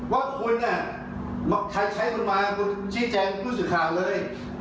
ว่าคุณเนี่ยใครใช้คุณมาชี้แจงรู้สึกข่าวเลย